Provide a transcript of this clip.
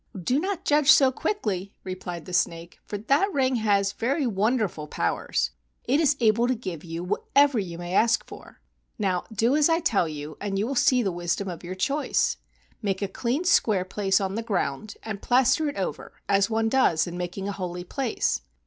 "Do not judge so quickly," replied the snake, "for that ring has very wonderful powers. It is able to give you whatever you may ask for. Now do as I tell you, and you will soon see the wisdom of your choice. Make a clean square place on the ground and plaster it over as one does in making a holy place.